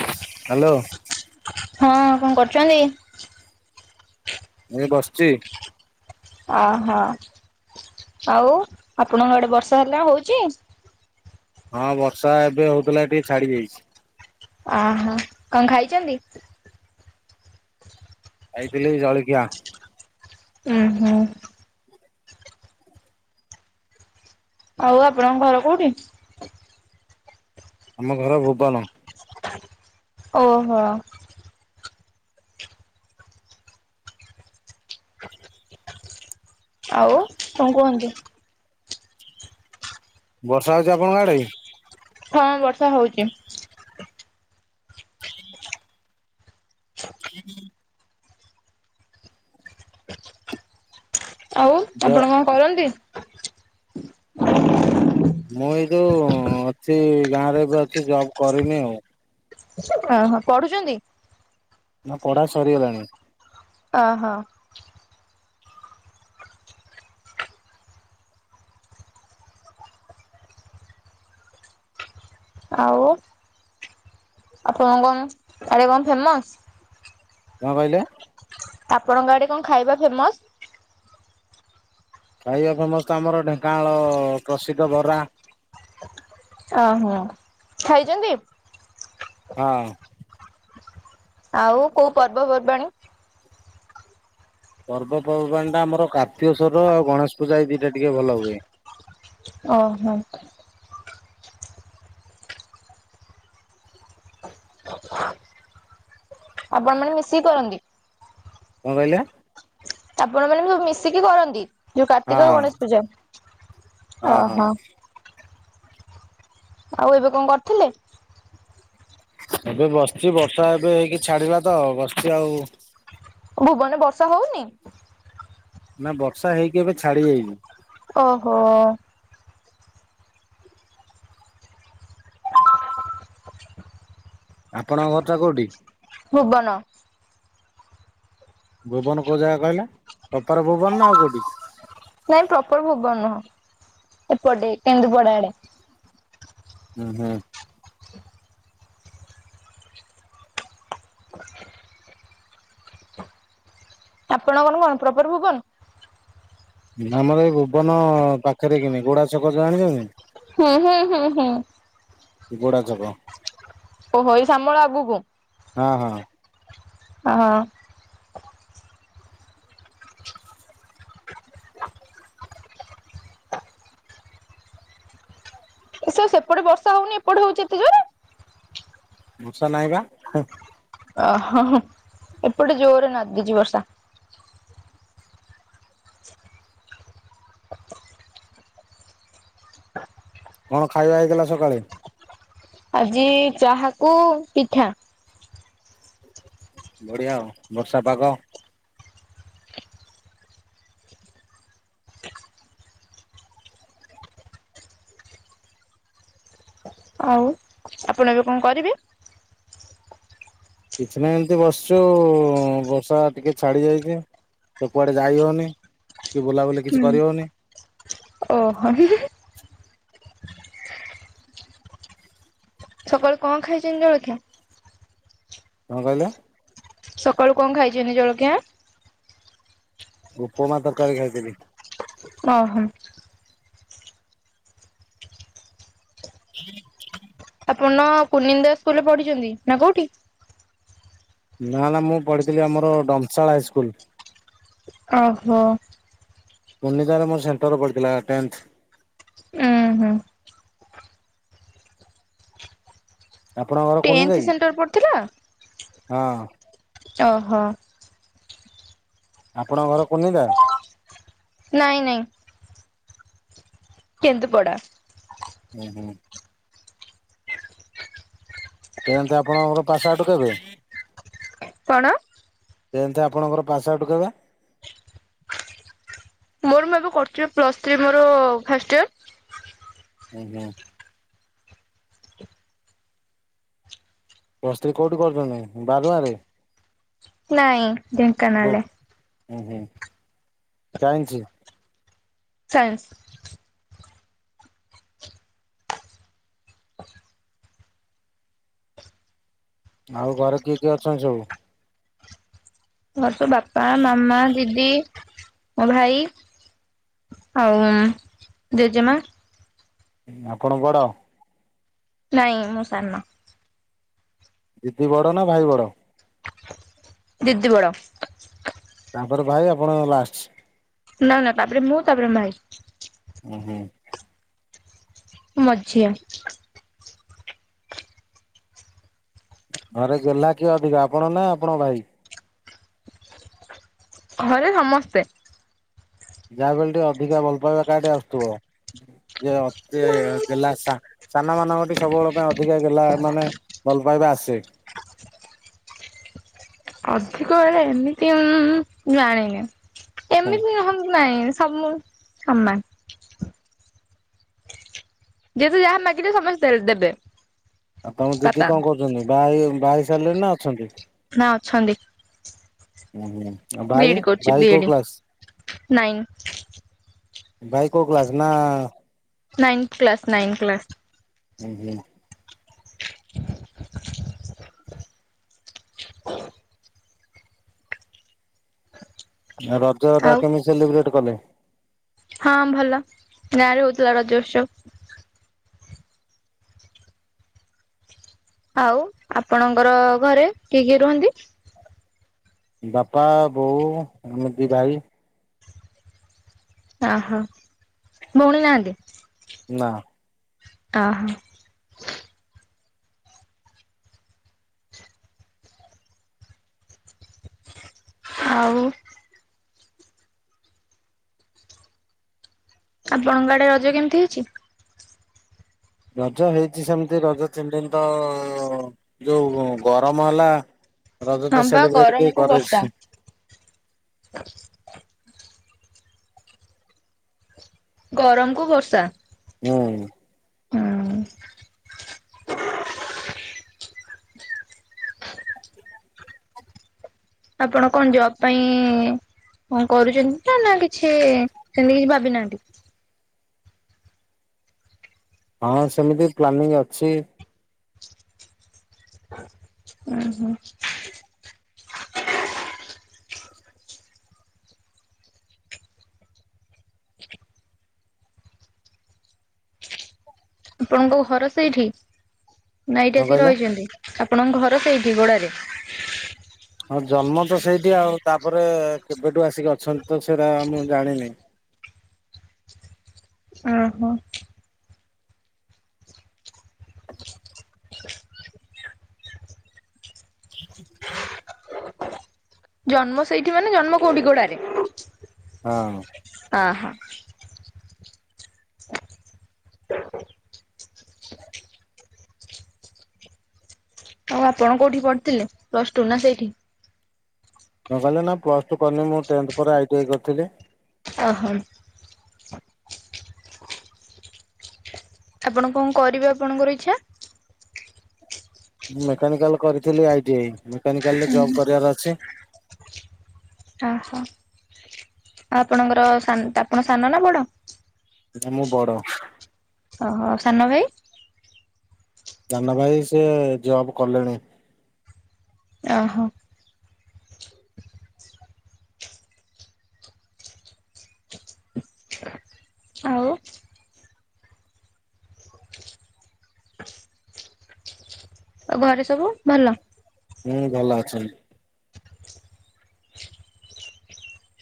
Hello. ହଁ କଣ କରୁଛନ୍ତି? ମୁଇଁ ବସିଛି। ଅହୋ ଆଉ ଆପଣଙ୍କ ଆଡେ ବର୍ଷା ହେଲା ହଉଚି? ହଁ ବର୍ଷା ଏବେ ହଉଥିଲା ଟିକେ ଛାଡି ଯାଇଛି। ଅହୋ କଣ ଖାଇଛନ୍ତି? ଖାଇଥିଲି ଜଳଖିଆ। ଉୁଁ ହୁଁ। ଆଉ ଆପଣଙ୍କ ଘର କୋଉଠି? ଆମ ଘର ଭୁବନ। ଓହୋ। ଆଉ କଣ କୁହନ୍ତୁ। ବର୍ଷା ହଉଛି ଆପଣଙ୍କ ଆଡେ। ହଁ ବର୍ଷା ହଉଛି। [unintelligible] [unintelligible] ଆଉ ଯ ଆପଣ କଂ କରନ୍ତି। ମୁଁ ଏଇ ଯୋଉ ଅଛି ଗାଁରେ ଗ ଅଛି ଜବ୍ କରିନି ଆଉ। ଆ ହାଁ ପଢୁଚନ୍ତି। ମୋ ପଢା ସରିଗଲାଣି। ଅହ। ଆଉ ଆପଣ କନ୍ ଏଡ଼େ କନ୍ ଫେମସ୍। କଂ କହିଲେ। ଆପଣଙ୍କ ଆଡେ କଂ ଖାଇବା ଫେମସ୍। ଖାଇବା ଫେମସ୍ ତ ଆମର ଢେଙ୍କାନାଳ ପ୍ରସିଦ୍ଧ ବରା। ଆ ହ ଖାଇଚନ୍ତି। ହଁ। ଆଉ କୋଉ ପର୍ବପର୍ବାଣୀ। ପର୍ବପର୍ବାଣି ଟା ଆମର କାର୍ତିକସର ଆଉ ଗଣେଶ୍ ପୂଜା ଏଇ ଦିଇଟା ଟିକେ ଭଲ ହୁଏ। ଅ ହ। [inaudible] ଆପଣ ମାନେ ମିଶିକି କରନ୍ତି। କଂ କହିଲେ। ଆପଣ ମାନେ ମୁ ମିଶିକି କରନ୍ତି ଯୋଉ ହଁ କାର୍ତ୍ତିକ ଓ ଗଣେଶ୍ ପୂଜା ହଁ ହଁ ଅହ। ଆଉ ଏବେ କଂ କର୍ଥିଲେ। ଏବେ ବସ୍ଚି ବର୍ଷା ଏବେ ହେଇକି ଛାଡିଲା ତ ବସ୍ଚି ଆଉ ଭୁବନେ ବର୍ଷା ହଉନି। ନା ବର୍ଷା ହେଇକି ଏବେ ଛାଡି ଯାଇଚି। ଓହୋ ଆପଣଙ୍କ ଘର୍ଟା କୋଉଠି। ଭୁବନ। ଭୁବନ କୋଉ ଜାଗା କହିଲ ଅଫର୍ ଭୁବନ ନା ଆଉ କୋଉଠି। ନାଇଁ ପ୍ରପର ଭୁବନ ନୁହଁ ଏପଟେ କେନ୍ଦୁପଡା ଆଡେ। ହୁଁ ହୁଁ। ଆପଣ କନ୍ କନ୍ ପ୍ରପର୍ ଭୁବନ୍। ଆମର ଏଇ ଭୁବନ ପାଖରେ କିମି ଗୋଡା ଛକ ଜାଣିଚନ୍ତି। ହୁଁ ହୁଁ ହୁଁ ହୁଁ। ଗୋଡାଛକ। ଓହୋ ଏଇ ଶାମଳା ଆଗକୁ। ହଁ ହଁ। ହଁ। ସେ ସେପଟେ ବର୍ଷା ହଉନି ଏପଟେ ହଉଚି ଏତେଯୋରେ। ମୂଷା ନାଇଁ ବା। ଅଁ-ହଁ-ହୁଁ ଏପଟେ ଜୋର୍ ନାଦିଚି ବର୍ଷା। କଣ ଖାଇବା ହେଇଥିଲା ସକାଳେ। ଆଜି ଚାହାକୁ ପିଠା। ବଢିଆ ଆଉ ବର୍ଷା ପାଗ। ଆଉ ଆପଣ ଏବେ କଂ କରିବେ। କିଛି ନାହିଁ ଏମ୍ତି ବସ୍ଚୁ ବର୍ଷା ଟିକେ ଛାଡି ଯାଇଚି। ତ କୁଆଡେ ଯାଇହଉନି କି ବୁଲାବୁଲି କିଛି କରିହଉନି। ଓ ହ-ହୁଁ-ହୁଁ-ହୁଁ ସକାଳୁ କଣ ଖାଇଚନ୍ତି ଜଳଖିଆ? କଣ କହିଲେ? ସକାଳୁ କଣ ଖାଇଚନ୍ତି ଜଳଖିଆ? ଉପମା ତରକାରୀ ଖାଇଥିଲି। ଅ ହଁ। ହୁଁ, [inaudible] ଆପଣ କୁନିନ୍ଦା ସ୍କୁଲୁରେ ପଢିଛନ୍ତି ନା କୋଉଠି? ନା ନା ମୁଁ ପଢିଥିଲି ଆମର ଡମଶାଳା ହାଇସ୍କୁଲ। ଅ ହ। କୁନିଦା ରେ ମୋ ସେଣ୍ଟର ପଡ଼ିଥିଲା ଟେନ୍ଥ। ଉଁ ହୁଁ। ଆପଣଙ୍କ ଘର ଟେନ୍ଥ କୁନିଦା କି ସେଣ୍ଟର ପଡିଥିଲା? ହାଁ? ଅ ହ। ଆପଣଙ୍କ ଘର କୁନିନ୍ଦା? ନାଇଁ ନାଇଁ। କେନ୍ଦୁପଡା। ହୁଁ ହୁଁ ଲ [inaudible] ଟେନ୍ଥ ଆପଣଙ୍କର ପାସ ଆଉଟୁ କେବେ,? କଣ? ଟେନେଥେ ଆପଣଙ୍କର ପାସ ଆଉଟୁ କେବେ? ମୋର ମୁଁ ଏବେ କରୁଚି ପ୍ଲସ ଥ୍ରୀ ମୋର ଫାଷ୍ଟ ଇୟର। ହୁଁ ହୁଁ। ପ୍ଲସଥ୍ରୀ କୋଉଠି କରୁଚନ୍ତି ବାରୁଆଁରେ? ନାଇଁ ଢେଙ୍କାନାଳରେ। ହୁଁ ହୁଁ ଚାଇଁନ୍ସୀ? ସାଇନ୍ସୀ। ଆଉ ଘରେ କିଏ କିଏ ଅଛନ୍ତି ସବୁ? ଘରେତ ବାପା, ମାମା ଦିଦି ମୋ ଭାଇ ଆଉ ଜେଜେମା ଆପଣ ବଡ଼? ନାଇଁ ମୁଁ ସାନ। ଦିଦି ବଡ ନା ଭାଇ ବଡ଼? ଦିଦି ବଡ଼। ତାପରେ ଭାଇ ଆପଣ ଲାଷ୍ଟ। ନା ନା ତାପରେ ମୁଁ ତାପରେ ଭାଇ। ଉଁ ହୁଁ। ମୁଁ ମଝିଆ। ଘରେ ଗୋହ୍ଲା କିଏ ଅଧିକା ଆପଣ ନା ଆପଣ ଭାଇ? ଘରେ ସମସ୍ତେ। ଯାହା ବି ହେଲେ ଟିକେ ଅଧିକା ଭଲ ପାଇବା କାଠେଇ ଆସୁଥିବ ଯିଏ ଅତି ଗେଲ୍ଲା। [unintelligible] ସାନ ମାନଙ୍କଠେ ସବୁବେଳ ପାଇଁ ଅଧିକା ଗେଲ୍ଲା ମାନେ ଭଲ ପାଇବା ଆସେ। ଅଧିକ ବେଳେ ଏମିତିଁ ଜାଣିନି। ହୁଁ ଏମିତି ନାଇଁ ସବୁ ସମାନ। ଯେତେ ଯାହା ମାଗିଲେ ସମସ୍ତେ ଦେବେ। ଆଉ ତମ ଦିଦି ପାପା କଣ କରୁଛନ୍ତି ବାହା ହେଇ ବାହା ହେଇ ସାରିଲେଣିନା ଅଛନ୍ତି? ନା ଅଛନ୍ତି। [unintelligible] ହଁ ଆ ବି ଇ ଭାଇ, ଡି କରୁଛି ବି ଭାଇ ଇ କୋଉ ଡି କ୍ଲାସ? ନାଇନ୍ ଭାଇ କୋଉ କ୍ଲାସ୍? ନା ନାଇନଥ କ୍ଲାସ୍ ନାଇନ୍ଥ କ୍ଲାସ୍। ହୁଁ। [inaudible] ଆଉ ରଜ ଟା ଆଉ କେମିତି ସେଲିବ୍ରେଟ କଲେ? ହଁ ଭଲ ଗାଁରେ ହୋଉଥିଲା ରଜ ଉତ୍ସବ। ଆଉ ଆପଣଙ୍କର ଘରେ କିଏ କିଏ ରୁହନ୍ତି? ବାପା, ବୋଉ, ମୋର ଦି ଭାଇ। ଓହୋ ଭଉଣୀ ନାହାନ୍ତି? ନା। ଓହୋ। ଆଉ ଆପଣଙ୍କ ଆଡେ ରଜ କେମିତି ହେଇଛି? ରଜ ହେଇଛି ସେମିତି ରଜ ତିନିଦିନ ତ ଯୋଉ ଗରମ ହେଲା ରଜ ହଁ ତ ବା ସେଲିବ୍ରେଟ କେହି ଗରମକୁ କ ବର୍ଷା [unintelligible] [inaudible] ଗରମକୁୁ ବର୍ଷା ହୁଁ। ହଁ। ଆପଣ କଣ ଜବ ପାଇଁ କଣ କରୁଛନ୍ତି ନା, ନା କିଛି ସେମିତି କିଛି ଭାବି ନାହାନ୍ତି? ହଁ ସେମିତି ପ୍ଲାନିଂ ଅଛି। [inaudible] ଆପଣଙ୍କ ଘର ସେଇଠି? ନା ଏଇଠି କଣ ଆସିକି କହିଲେ? ରହିଛନ୍ତି? ଆପଣଙ୍କ ଘର ସେଇଠି [unintelligible] ହଁ ଜନ୍ମ ତ ସେଇଠି, ଆଉ ତାପରେ କେବେଠୁ ଆସିକି ଅଛନ୍ତି ତ ସେଇରା ମୁଁ ଜାଣିନି। ଓହୋ। [unintelligible] ଜନ୍ମ ସେଇଠି ମାନେ ଜନ୍ମ କୋଉଠି ଗୋଡାରେ? ହଁ। ଓହୋ। ଆଉ ଆପଣ କୋଉଠି ପଢିଥିଲେ ପ୍ଲସ ଟୁ ନା ସେଇଠି? ନ କହିଲେ ନା ପ୍ଲସ ଟୁ କରିନି ମୁଁ ଟେନ୍ଥ ପରେ ଆଇ ଟି ଆଇ କରିଥିଲି। ଓହୋ। ଆପଣ କଣ କରିବେ ଆପଣଙ୍କର ଇଚ୍ଛା? ମୁଁ ମେକାନିକାଲ କରିଥିଲି ଆଇ ଟି ଆଇ ମେକାନିକାଲ ରେ ଜବ୍ କରିବାର ଅଛି। ଓହୋ ଆଉ ଆପଣଙ୍କର ସାନ ଆପଣଙ୍କ ସାନ ନା ବଡ? ନା ମୁଁ ବଡ। ଓହୋ ସାନ ଭାଇ? ସାନ ଭାଇ ସିଏ ଜବ୍ କଲେଣି। ଓହୋ। ଆଉ ଆ ଘରେ ସବୁ ଭଲ? ହୁଁ ଭଲ ଅଛନ୍ତି।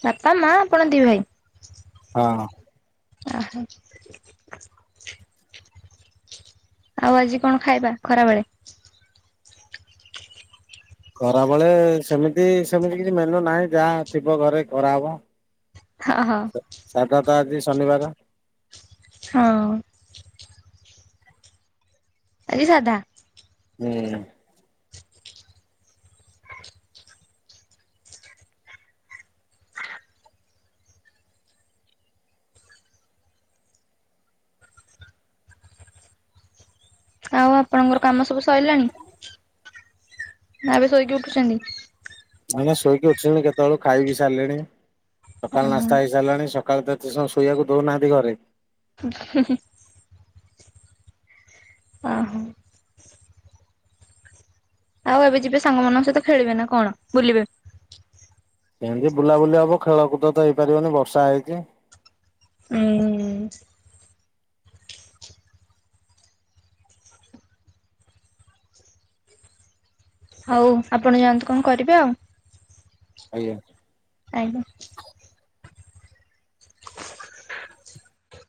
ବାପା ମା ଆପଣ ଦି ଭାଇ? ହଁ ଓ ହୋ ଆଉ ଆଜି କଣ ଖାଇବା ଖରାବେଳେ? ଖରାବେଳେ ସେମିତି ସେମିତି କିଛି ମେନୁ ନାହିଁ ଯାହା ଥିବ ଘରେ କରାହବ। ହଁ ହଁ ସାଧାଟା ଆଜି ଶନିବାର। ହଁ ଆଜି ସାଧା ହୁଁ ଆଉ ଆପଣଙ୍କର କାମ ସବୁ ସରିଲାଣି ଆବେ ଶୋଇକି ଉଠୁଛନ୍ତି? ନାଇଁ ନା ଶୋଇକି ଉଠିଲିଣି କେତେବେଳୁ ଖାଇ ବିି ସାରିଲେଣି ସକାଳୁ ଓହୋ ନାସ୍ତା ହେଇସାରିଲାଣି ସକାଳ ସକାଳେ ଦେତେ ଶୋଇବାକୁ ଦଉନାହାନ୍ତି ଘରେ [unintelligible] ଓ ହୋ ଆଉ ଏବେ ଯିବେ ସାଙ୍ଗମାନଙ୍କ ସହିତ ଖେଳିବେ ନା କଣ ବୁଲିବେ? କେମିତି ବୁଲାବୁଲି ହବ ଖେଳକୁଦ ତ ହେଇପାରିବନି ବର୍ଷା ହେଇଛି। ହୁଁ [unintelligible] ହଉ ଆପଣ ଯାଆନ୍ତୁ କଣ କରିବେ ଆଉ। ଆଜ୍ଞା ଆଜ୍ଞା